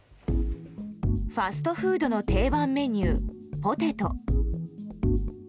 ファストフードの定番メニューポテト。